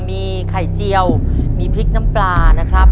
มีไข่เจียวมีพริกน้ำปลานะครับ